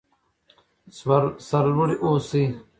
سر لوړي اوسئ.